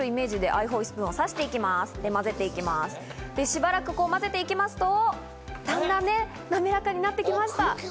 しばらく混ぜていきますと、だんだん滑らかになってきました。